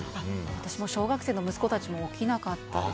私も小学生の息子たちも起きなかったです。